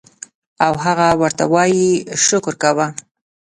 او هغه ورته وائي شکر کوه